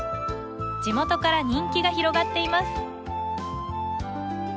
地元から人気が広がっています